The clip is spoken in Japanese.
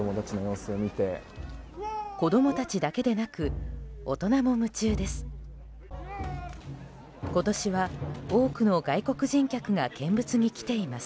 子供たちだけでなく大人も夢中です。